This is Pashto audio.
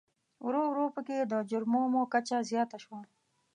ورو ورو په کې د جرمومو کچه زیاته شوه.